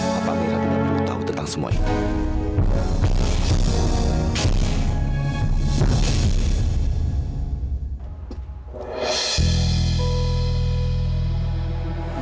bapak rewira tidak perlu tahu tentang semua ini